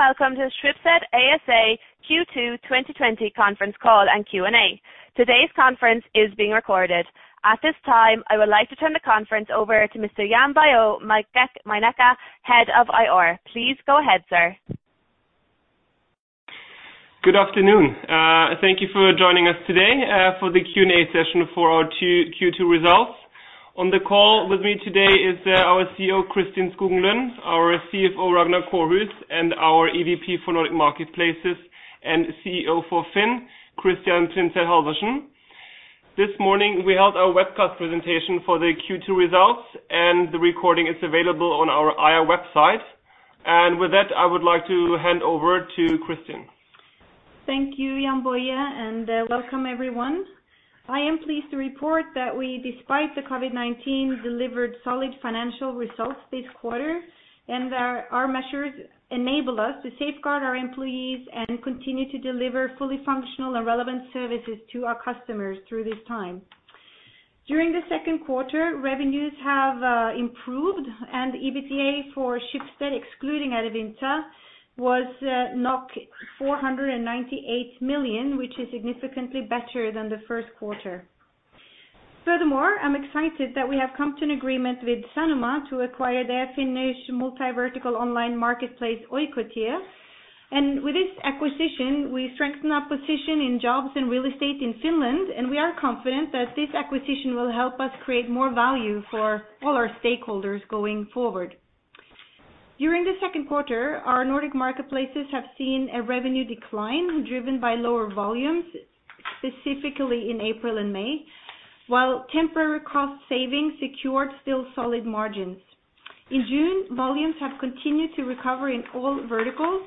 Good day and welcome to Schibsted ASA Q2 2020 Conference Call and Q&A. Today's conference is being recorded. At this time, I would like to turn the conference over to Mr. Jann-Boje Meinecke, Head of IR. Please go ahead, sir. Good afternoon. Thank you for joining us today for the Q&A session for our Q2 results. On the call with me today is our CEO, Kristin Skogen Lund, our CFO, Ragnar Kårhus, and our EVP for Nordic Marketplaces and CEO for FINN, Christian Printzell Halvorsen. This morning, we held our webcast presentation for the Q2 results, and the recording is available on our IR website. With that, I would like to hand over to Christian. Thank you, Jann-Boje Meinecke, and welcome everyone. I am pleased to report that we, despite the COVID-19, delivered solid financial results this quarter, and that our measures enable us to safeguard our employees and continue to deliver fully functional and relevant services to our customers through this time. During the second quarter, revenues have improved, and EBITDA for Schibsted, excluding Adevinta, was 498 million, which is significantly better than the first quarter. Furthermore, I'm excited that we have come to an agreement with Sanoma to acquire their Finnish multi-vertical online marketplace, Oikotie. With this acquisition, we strengthen our position in jobs and real estate in Finland, and we are confident that this acquisition will help us create more value for all our stakeholders going forward. During the second quarter, our Nordic Marketplaces have seen a revenue decline driven by lower volumes, specifically in April and May, while temporary cost savings secured still solid margins. In June, volumes have continued to recover in all verticals,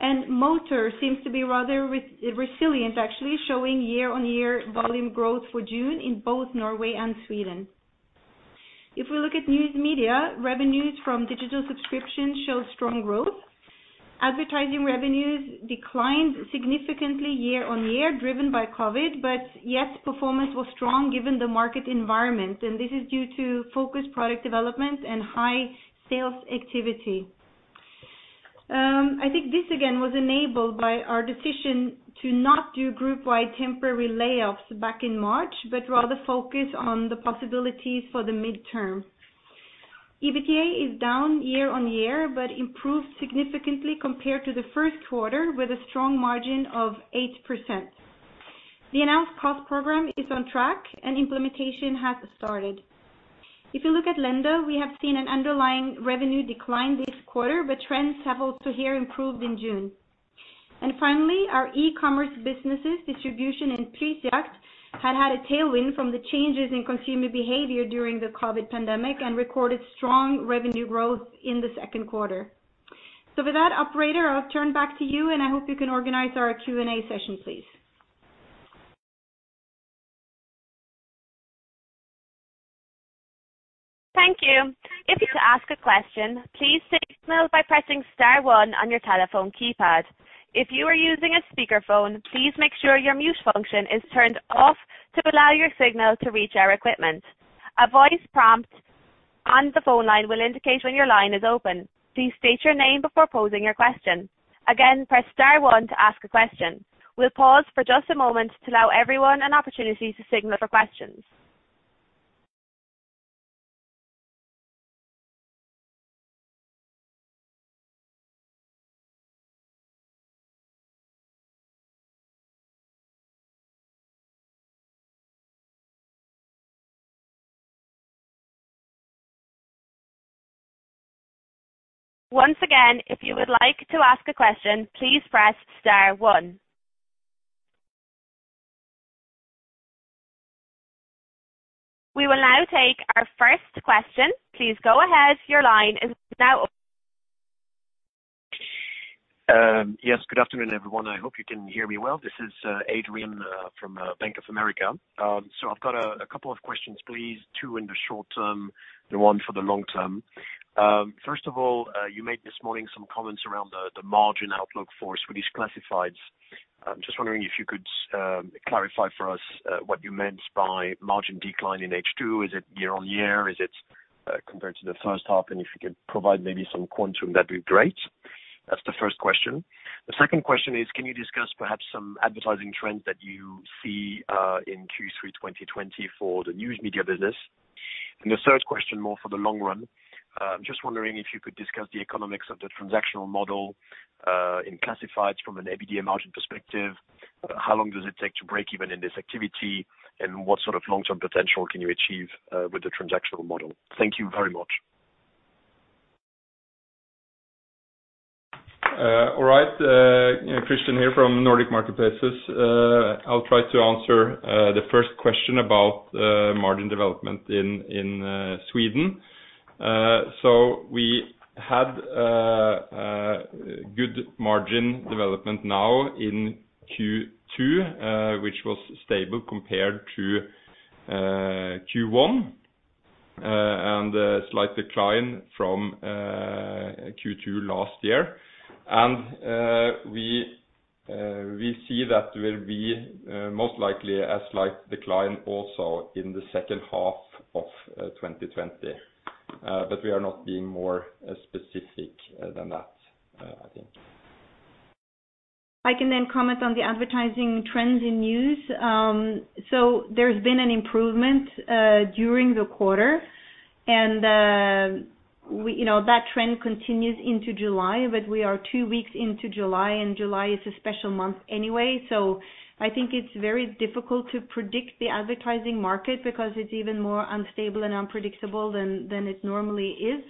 and Motors seems to be rather resilient, actually, showing year-on-year volume growth for June in both Norway and Sweden. If we look at news media, revenues from digital subscriptions show strong growth. Advertising revenues declined significantly year-on-year, driven by COVID, but yet performance was strong given the market environment, and this is due to focused product development and high sales activity. I think this, again, was enabled by our decision to not do group-wide temporary layoffs back in March, but rather focus on the possibilities for the midterm. EBITDA is down year-on-year but improved significantly compared to the first quarter, with a strong margin of 8%. The announced cost program is on track, and implementation has started. If you look at Lendo, we have seen an underlying revenue decline this quarter, but trends have also here improved in June. And finally, our e-commerce businesses, Distribution and Prisjakt, had had a tailwind from the changes in consumer behavior during the COVID pandemic and recorded strong revenue growth in the second quarter. So with that, operator, I'll turn back to you, and I hope you can organize our Q&A session, please. Thank you. If you ask a question, please signal by pressing star one on your telephone keypad. If you are using a speakerphone, please make sure your mute function is turned off to allow your signal to reach our equipment. A voice prompt on the phone line will indicate when your line is open. Please state your name before posing your question. Again, press star one to ask a question. We'll pause for just a moment to allow everyone an opportunity to signal for questions. Once again, if you would like to ask a question, please press star one. We will now take our first question. Please go ahead. Your line is now open. Yes, good afternoon, everyone. I hope you can hear me well. This is Adrien from Bank of America. So I've got a couple of questions, please. Two in the short term and one for the long term. First of all, you made this morning some comments around the margin outlook for Swedish classifieds. Just wondering if you could clarify for us what you meant by margin decline in H2. Is it year-on-year? Is it compared to the first half? And if you could provide maybe some quantum, that'd be great. That's the first question. The second question is, can you discuss perhaps some advertising trends that you see in Q3 2020 for the news media business? And the third question, more for the long run. I'm just wondering if you could discuss the economics of the transactional model in classifieds from an EBITDA margin perspective. How long does it take to break even in this activity, and what sort of long-term potential can you achieve, with the transactional model? Thank you very much. All right. You know, Christian here from Nordic Marketplaces. I'll try to answer the first question about margin development in Sweden. We had good margin development now in Q2, which was stable compared to Q1, and a slight decline from Q2 last year. We see that there will be most likely a slight decline also in the second half of 2020. We are not being more specific than that, I think. I can then comment on the advertising trends in news, so there's been an improvement during the quarter, and we, you know, that trend continues into July, but we are two weeks into July, and July is a special month anyway, so I think it's very difficult to predict the advertising market because it's even more unstable and unpredictable than it normally is.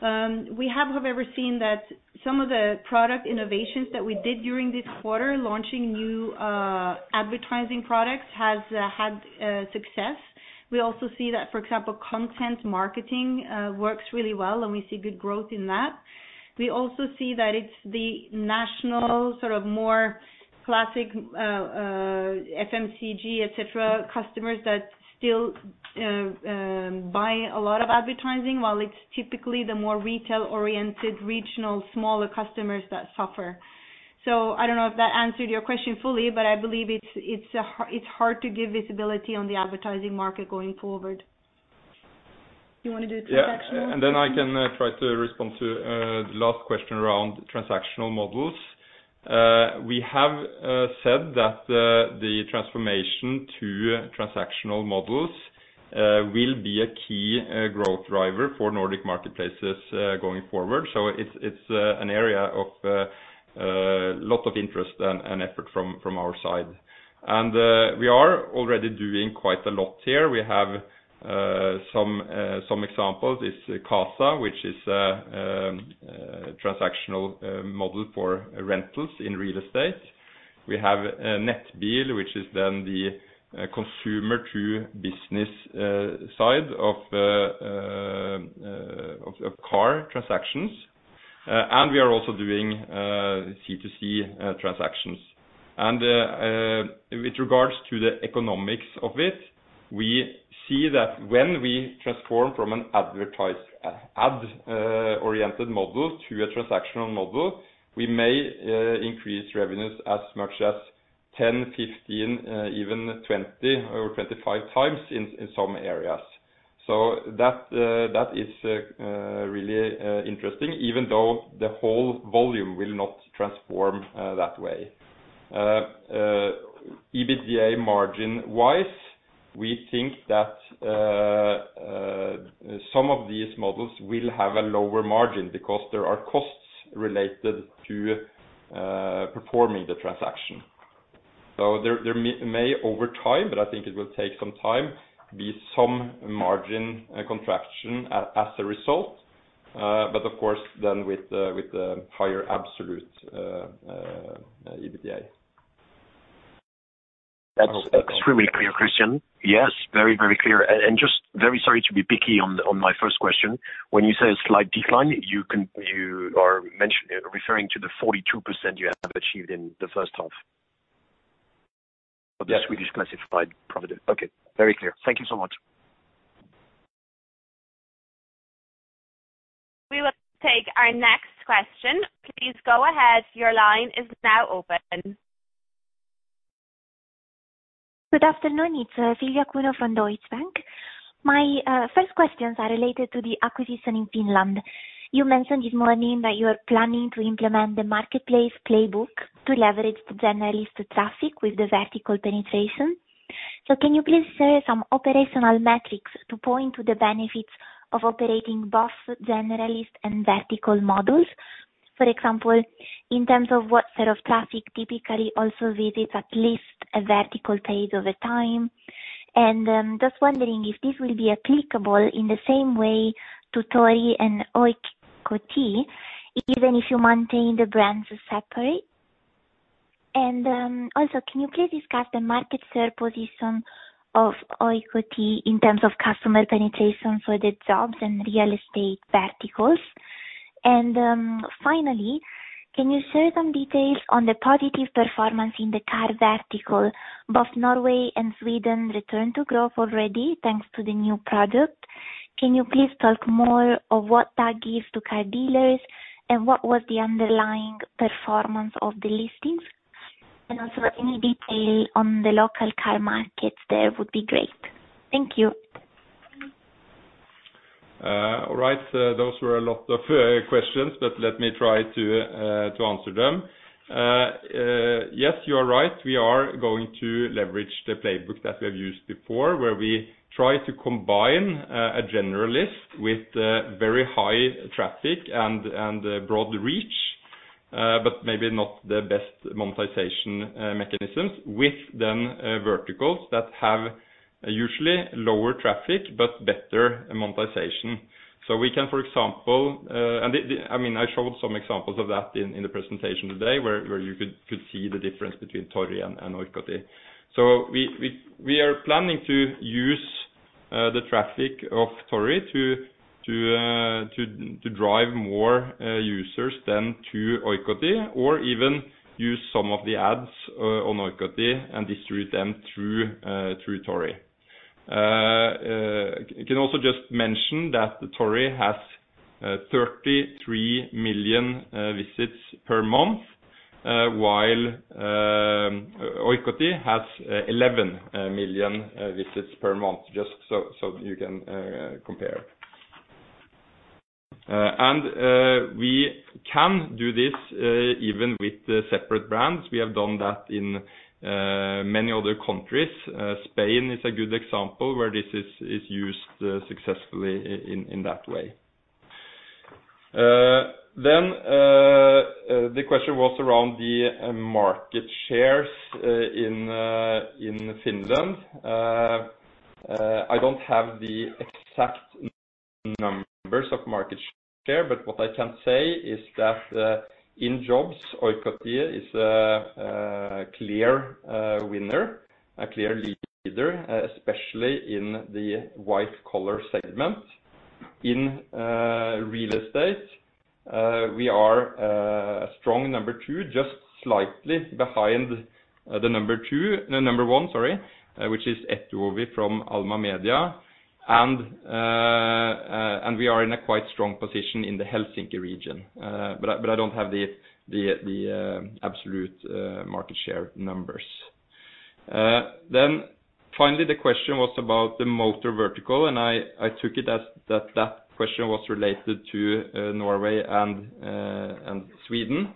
We have however seen that some of the product innovations that we did during this quarter, launching new advertising products, had success. We also see that, for example, content marketing works really well, and we see good growth in that. We also see that it's the national, sort of more classic, FMCG, etc., customers that still buy a lot of advertising, while it's typically the more retail-oriented, regional, smaller customers that suffer. I don't know if that answered your question fully, but I believe it's hard to give visibility on the advertising market going forward. You want to do transactional? Yeah. And then I can try to respond to the last question around transactional models. We have said that the transformation to transactional models will be a key growth driver for Nordic Marketplaces going forward. So it's an area of a lot of interest and effort from our side. And we are already doing quite a lot here. We have some examples. It's Qasa, which is a transactional model for rentals in real estate. We have a Nettbil, which is then the consumer-to-business side of car transactions. And we are also doing C2C transactions. And with regards to the economics of it, we see that when we transform from an advertising ad-oriented model to a transactional model, we may increase revenues as much as 10, 15, even 20 or 25 times in some areas. That is really interesting, even though the whole volume will not transform that way. EBITDA margin-wise, we think that some of these models will have a lower margin because there are costs related to performing the transaction. So there may over time, but I think it will take some time, be some margin contraction as a result. But of course, then with the higher absolute EBITDA. That's really clear, Christian. Yes, very, very clear. And just very sorry to be picky on my first question. When you say a slight decline, you are referring to the 42% you have achieved in the first half of the Swedish classified profit. Okay. Very clear. Thank you so much. We will take our next question. Please go ahead. Your line is now open. Good afternoon. It's Silvia Cuneo from Deutsche Bank. My first questions are related to the acquisition in Finland. You mentioned this morning that you are planning to implement the marketplace playbook to leverage the generalist traffic with the vertical penetration. So can you please share some operational metrics to point to the benefits of operating both generalist and vertical models? For example, in terms of what sort of traffic typically also visits at least a vertical page over time. And just wondering if this will be applicable in the same way to Tori and Oikotie, even if you maintain the brands separate. And also, can you please discuss the market share position of Oikotie in terms of customer penetration for the jobs and real estate verticals? And finally, can you share some details on the positive performance in the car vertical? Both Norway and Sweden returned to growth already thanks to the new product. Can you please talk more of what that gives to car dealers, and what was the underlying performance of the listings? And also, any detail on the local car markets there would be great. Thank you. All right. Those were a lot of questions, but let me try to answer them. Yes, you are right. We are going to leverage the playbook that we have used before, where we try to combine a generalist with very high traffic and broad reach, but maybe not the best monetization mechanisms with verticals that have usually lower traffic but better monetization. So, for example, I mean, I showed some examples of that in the presentation today where you could see the difference between Tori and Oikotie. So we are planning to use the traffic of Tori to drive more users to Oikotie, or even use some of the ads on Oikotie and distribute them through Tori. Can also just mention that Tori has 33 million visits per month, while Oikotie has 11 million visits per month. Just so you can compare. We can do this even with the separate brands. We have done that in many other countries. Spain is a good example where this is used successfully in that way. Then the question was around the market shares in Finland. I don't have the exact numbers of market share, but what I can say is that in jobs, Oikotie is a clear winner, a clear leader, especially in the white-collar segment. In real estate, we are a strong number two, just slightly behind the number one, sorry, which is Etuovi from Alma Media, and we are in a quite strong position in the Helsinki region. But I don't have the absolute market share numbers. Then finally, the question was about the motor vertical, and I took it as that question was related to Norway and Sweden.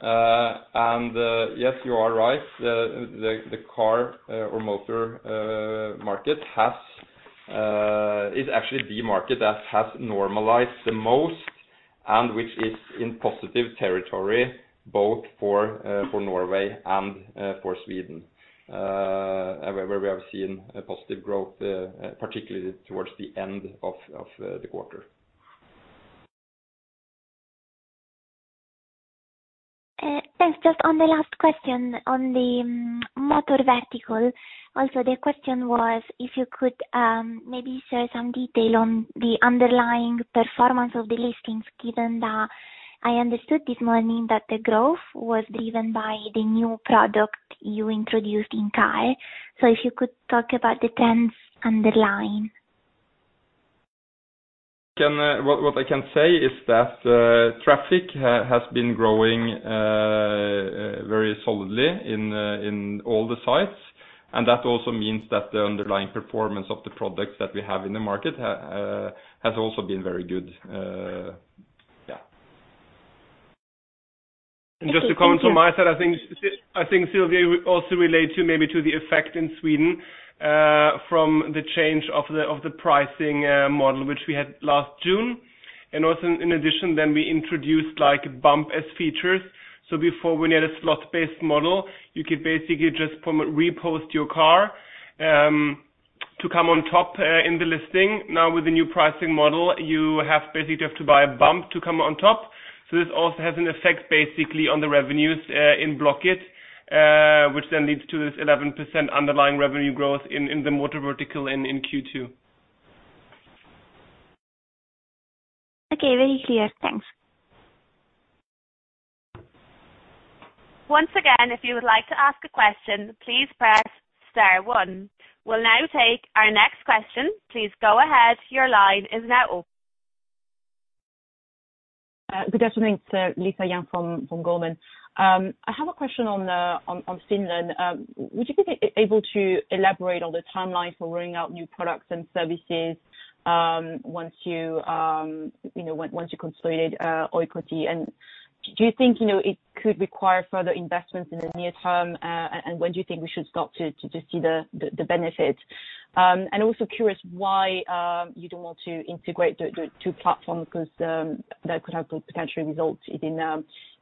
And yes, you are right. The car, or motor, market is actually the market that has normalized the most and which is in positive territory both for Norway and for Sweden, where we have seen a positive growth, particularly towards the end of the quarter. Thanks. Just on the last question on the motor vertical, also, the question was if you could, maybe share some detail on the underlying performance of the listings, given that I understood this morning that the growth was driven by the new product you introduced in car. So if you could talk about the trends underlying. What I can say is that traffic has been growing very solidly in all the sites. And that also means that the underlying performance of the products that we have in the market has also been very good. Yeah. Just to comment on my side, I think Silvia, you also relate to maybe to the effect in Sweden from the change of the pricing model which we had last June. Also, in addition, then we introduced like bump features. So before, when you had a slot-based model, you could basically just re-post your car to come on top in the listing. Now, with the new pricing model, you have basically to buy a bump to come on top. So this also has an effect basically on the revenues in Blocket, which then leads to this 11% underlying revenue growth in the motor vertical in Q2. Okay. Very clear. Thanks. Once again, if you would like to ask a question, please press star one. We'll now take our next question. Please go ahead. Your line is now open. Good afternoon. It's Lisa Yang from Goldman. I have a question on Finland. Would you be able to elaborate on the timeline for rolling out new products and services, once you, you know, once you consolidate Oikotie? And do you think, you know, it could require further investments in the near term, and when do you think we should start to see the benefit? And also curious why you don't want to integrate the two platforms because that could have potentially resulted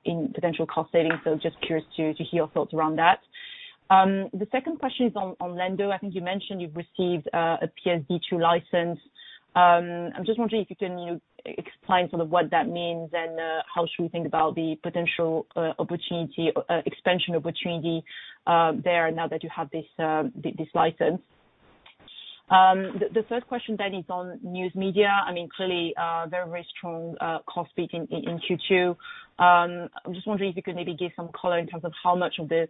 in potential cost savings. So just curious to hear your thoughts around that. The second question is on Lendo. I think you mentioned you've received a PSD2 license. I'm just wondering if you can, you know, explain sort of what that means and how should we think about the potential opportunity, expansion opportunity there now that you have this license. The third question then is on News Media. I mean, clearly very very strong cost peak in Q2. I'm just wondering if you could maybe give some color in terms of how much of the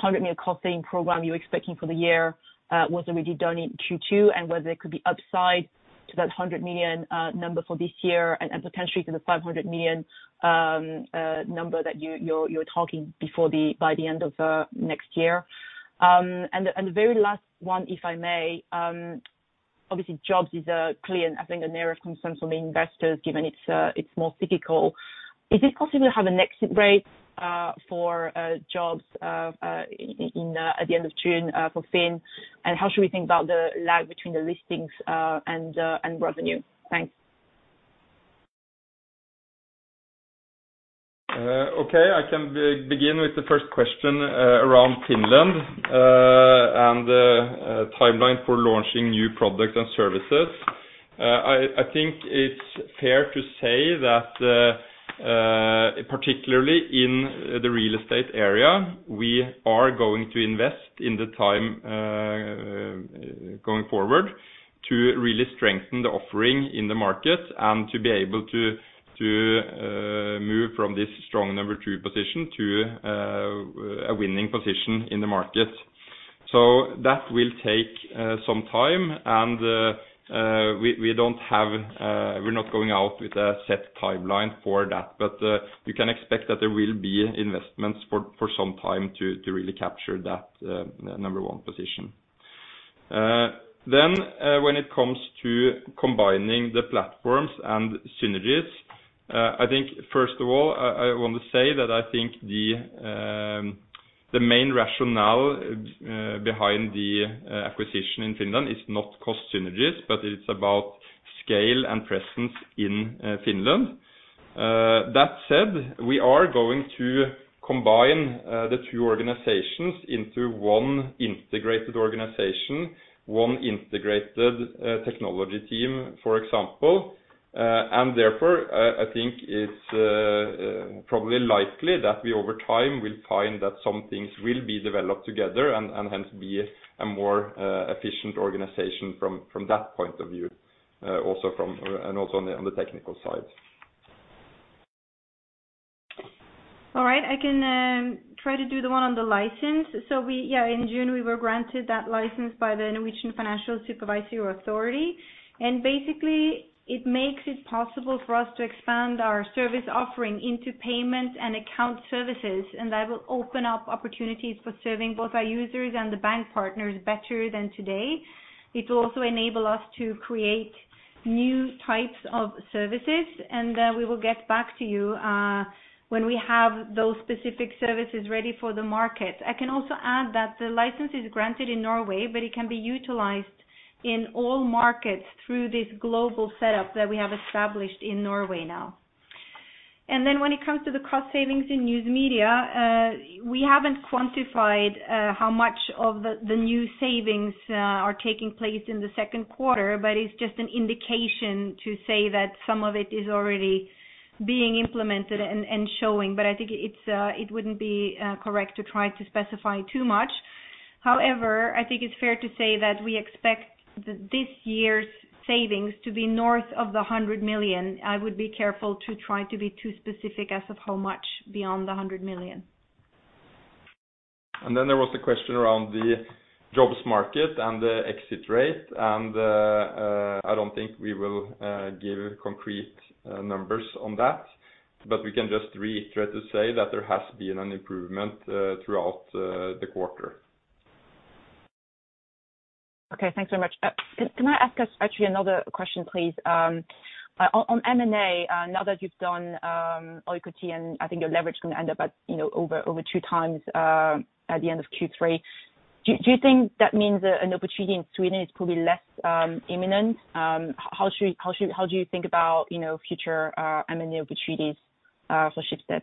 100 million cost-saving program you're expecting for the year was already done in Q2 and whether there could be upside to that 100 million number for this year and potentially to the 500 million number that you're talking about by the end of next year. The very last one, if I may, obviously Jobs is clearly, I think, a narrow concern for many investors given it's more cyclical. Is it possible to have an exit rate for Jobs in at the end of June for FINN? And how should we think about the lag between the listings and revenue? Thanks. Okay. I can begin with the first question around Finland and timeline for launching new products and services. I think it's fair to say that, particularly in the real estate area, we are going to invest in the time going forward to really strengthen the offering in the market and to be able to move from this strong number two position to a winning position in the market. That will take some time. We don't have. We're not going out with a set timeline for that. You can expect that there will be investments for some time to really capture that number one position. Then, when it comes to combining the platforms and synergies, I think, first of all, I want to say that I think the main rationale behind the acquisition in Finland is not cost synergies, but it's about scale and presence in Finland. That said, we are going to combine the two organizations into one integrated organization, one integrated technology team, for example. And therefore, I think it's probably likely that we, over time, will find that some things will be developed together and hence be a more efficient organization from that point of view, also from, and also on the technical side. All right. I can try to do the one on the license. In June, we were granted that license by the Norwegian Financial Supervisory Authority. Basically, it makes it possible for us to expand our service offering into payment and account services. That will open up opportunities for serving both our users and the bank partners better than today. It will also enable us to create new types of services. We will get back to you when we have those specific services ready for the market. I can also add that the license is granted in Norway, but it can be utilized in all markets through this global setup that we have established in Norway now. Then when it comes to the cost savings in news media, we haven't quantified how much of the new savings are taking place in the second quarter, but it's just an indication to say that some of it is already being implemented and showing. But I think it wouldn't be correct to try to specify too much. However, I think it's fair to say that we expect this year's savings to be north of 100 million. I would be careful to try to be too specific as of how much beyond the 100 million. There was a question around the jobs market and the exit rate. I don't think we will give concrete numbers on that. We can just reiterate to say that there has been an improvement throughout the quarter. Okay. Thanks very much. Can I ask actually another question, please? On M&A, now that you've done Oikotie and I think your leverage is gonna end up at, you know, over two times at the end of Q3, do you think that means an opportunity in Sweden is probably less imminent? How should you think about, you know, future M&A opportunities for Schibsted?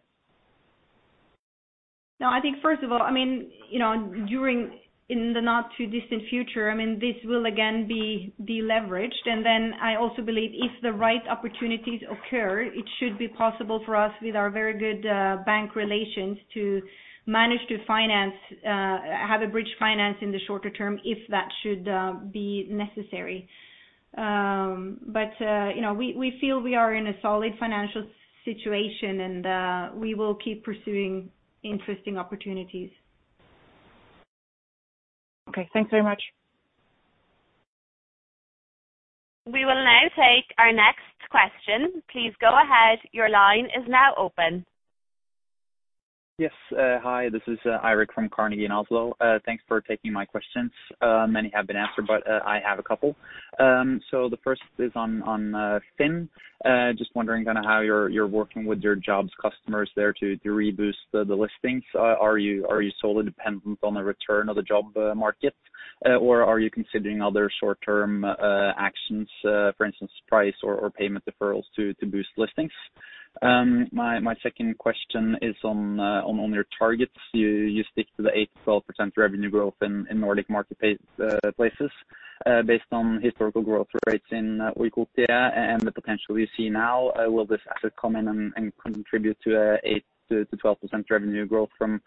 No, I think first of all, I mean, you know, during in the not-too-distant future, I mean, this will again be leveraged. And then I also believe if the right opportunities occur, it should be possible for us with our very good bank relations to manage to finance, have a bridge finance in the shorter term if that should be necessary. But you know, we feel we are in a solid financial situation and we will keep pursuing interesting opportunities. Okay. Thanks very much. We will now take our next question. Please go ahead. Your line is now open. Yes. Hi. This is Eirik from Carnegie in Oslo. Thanks for taking my questions. Many have been answered, but I have a couple. The first is on FINN. Just wondering kinda how you're working with your jobs customers there to reboost the listings. Are you solely dependent on the return of the job market, or are you considering other short-term actions, for instance, price or payment deferrals to boost listings? My second question is on your targets. You stick to the 8%-12% revenue growth in Nordic Marketplaces, based on historical growth rates in Oikotie and the potential you see now. Will this asset come in and contribute to an 8%-12% revenue growth from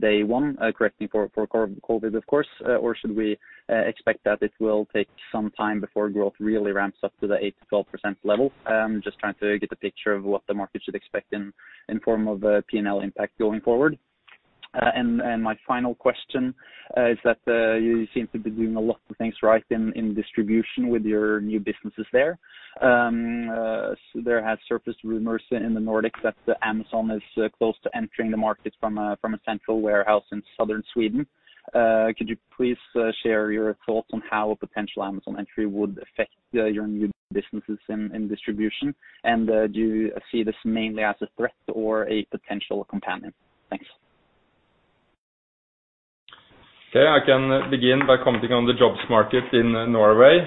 day one? Correct me for COVID, of course. Or should we expect that it will take some time before growth really ramps up to the 8%-12% level? Just trying to get a picture of what the market should expect in form of P&L impact going forward. My final question is that you seem to be doing a lot of things right in distribution with your new businesses there. There has surfaced rumors in the Nordics that Amazon is close to entering the market from a central warehouse in southern Sweden. Could you please share your thoughts on how a potential Amazon entry would affect your new businesses in distribution? Do you see this mainly as a threat or a potential companion? Thanks. Okay. I can begin by commenting on the jobs market in Norway.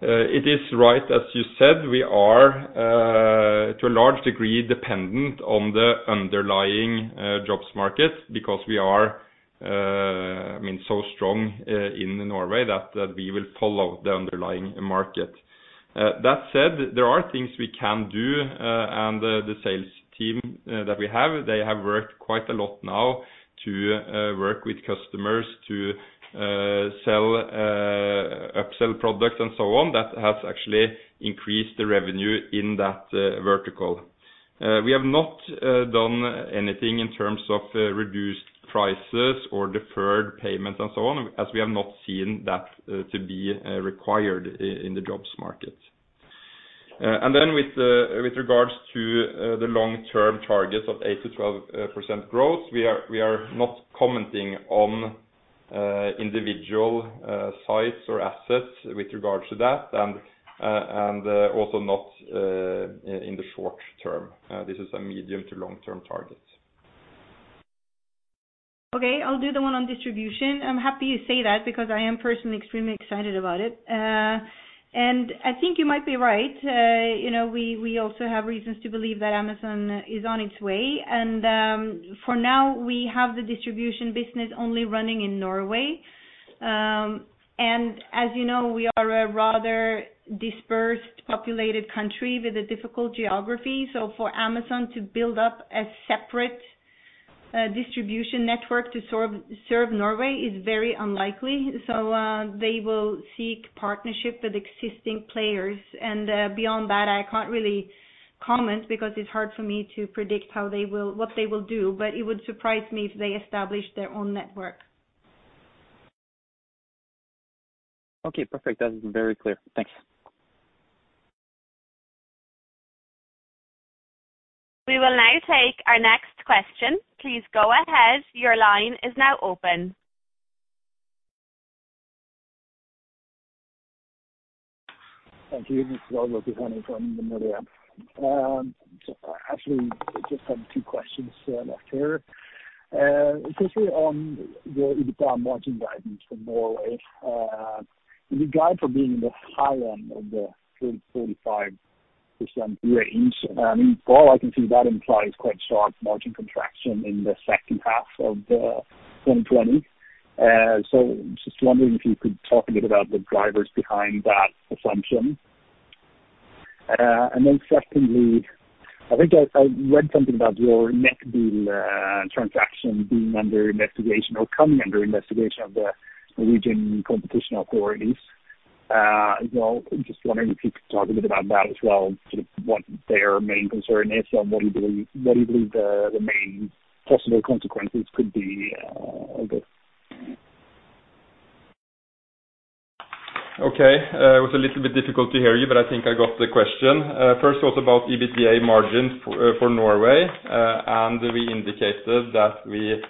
It is right, as you said, we are to a large degree dependent on the underlying jobs market because we are, I mean, so strong in Norway that we will follow the underlying market. That said, there are things we can do, and the sales team that we have, they have worked quite a lot now to work with customers to sell upsell products and so on that has actually increased the revenue in that vertical. We have not done anything in terms of reduced prices or deferred payments and so on as we have not seen that to be required in the jobs market And then with regards to the long-term targets of 8-12% growth, we are not commenting on individual sites or assets with regards to that and also not in the short term. This is a medium to long-term target. Okay. I'll do the one on distribution. I'm happy you say that because I am personally extremely excited about it. And I think you might be right. You know, we also have reasons to believe that Amazon is on its way. And, for now, we have the distribution business only running in Norway. And as you know, we are a rather sparsely populated country with a difficult geography. So for Amazon to build up a separate distribution network to serve Norway is very unlikely. So, they will seek partnership with existing players. And, beyond that, I can't really comment because it's hard for me to predict how they will, what they will do. But it would surprise me if they establish their own network. Okay. Perfect. That's very clear. Thanks. We will now take our next question. Please go ahead. Your line is now open. Thank you. Actually, I just have two questions left here. Especially on your EBITDA margin guidance for Norway, you guide for being in the high end of the 40%-45% range. I mean, for all I can see, that implies quite sharp margin contraction in the second half of 2020, so just wondering if you could talk a bit about the drivers behind that assumption. And then secondly, I think I read something about your Nettbil transaction being under investigation or coming under investigation of the Norwegian competition authorities. You know, just wondering if you could talk a bit about that as well, sort of what their main concern is and what you believe the main possible consequences could be of it. Okay. It was a little bit difficult to hear you, but I think I got the question. First, also about EBITDA margin for, for Norway, and we indicated that we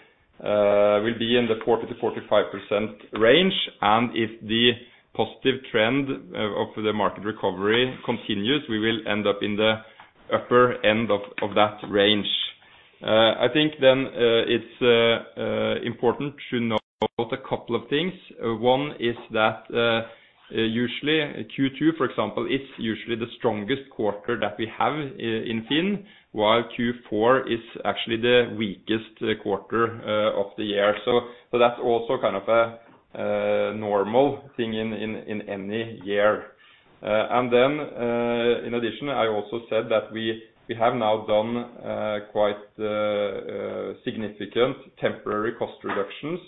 will be in the 40%-45% range. And if the positive trend of the market recovery continues, we will end up in the upper end of that range. I think then it's important to note a couple of things. One is that usually Q2, for example, is usually the strongest quarter that we have in FINN, while Q4 is actually the weakest quarter of the year. So that's also kind of a normal thing in any year, and then in addition, I also said that we have now done quite significant temporary cost reductions.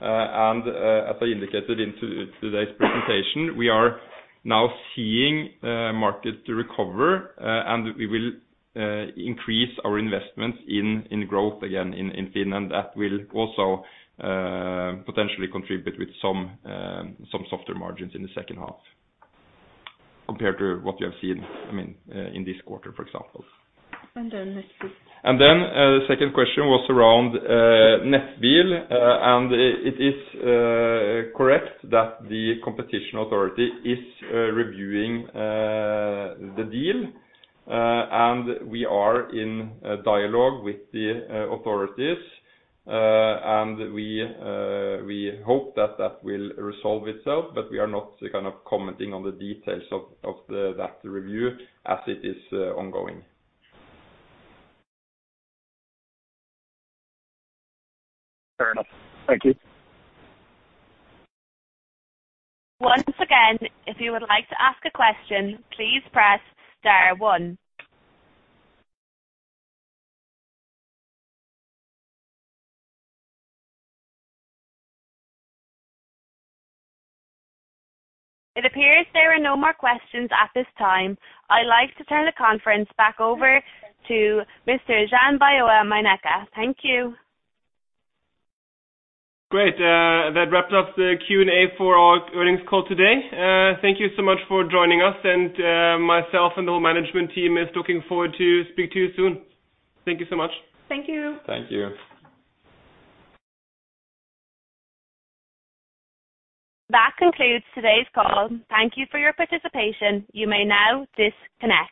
As I indicated in today's presentation, we are now seeing market recovery, and we will increase our investments in growth again in FINN. And that will also potentially contribute with some softer margins in the second half compared to what you have seen, I mean, in this quarter, for example. Next, please. And then, the second question was around Nettbil. It is correct that the competition authority is reviewing the deal. We are in dialogue with the authorities. We hope that that will resolve itself. But we are not kind of commenting on the details of that review as it is ongoing. Fair enough. Thank you. Once again, if you would like to ask a question, please press star one. It appears there are no more questions at this time. I'd like to turn the conference back over to Mr. Jann-Boje Meinecke. Thank you. Great. That wraps up the Q&A for our earnings call today. Thank you so much for joining us, and myself and the whole management team is looking forward to speak to you soon. Thank you so much. Thank you. Thank you. That concludes today's call. Thank you for your participation. You may now disconnect.